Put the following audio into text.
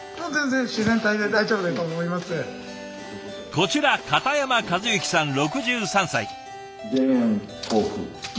こちら片山和之さん６３歳。